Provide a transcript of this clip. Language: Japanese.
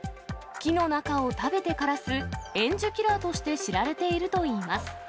木の中を食べて枯らすエンジュキラーとして知られているといいます。